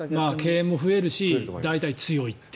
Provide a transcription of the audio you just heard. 敬遠も増えるし大体強いという。